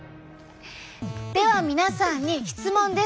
では皆さんに質問です。